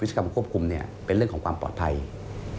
กรรมควบคุมเป็นเรื่องของความปลอดภัย